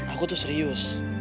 aku tuh serius